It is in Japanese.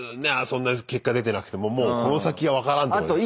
そんな結果出てなくてももうこの先は分からんってことで。